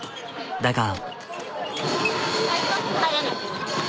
だが。